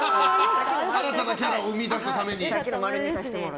新たなキャラを生み出すために。